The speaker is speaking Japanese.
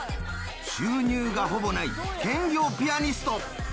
収入がほぼない兼業ピアニスト。